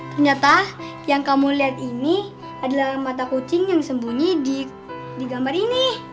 ternyata yang kamu lihat ini adalah mata kucing yang sembunyi di gambar ini